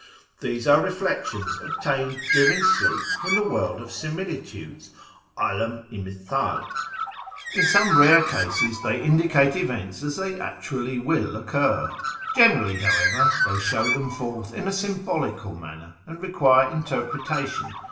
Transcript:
— These are reflections obtained during sleep from the World of Similitudes (^ Alam i Mithdl). In some rare cases they indicate events as they actually will occur. Generally, however, thej^ .show them forth in a symbolical manner, and require interpretation.